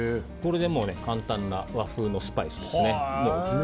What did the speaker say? これで簡単な和風のスパイスですね。